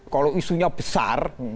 kalau isunya besar